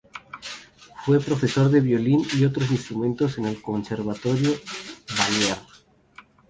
Fue profesor de violín y otros instrumentos en el Conservatorio Balear.